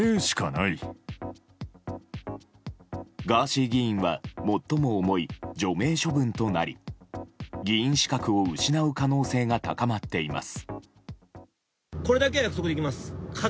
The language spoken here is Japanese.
ガーシー議員は最も重い除名処分となり議員資格を失う可能性が高まっています。